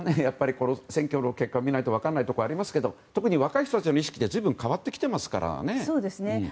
選挙の結果を見ないと分からないところありますけど特に若い人たちの意識は随分変わっていますからね。